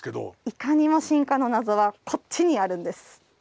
いかにも進化の謎はこっちにあるんです。